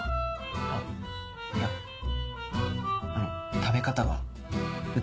あっいやあの食べ方が美しくて。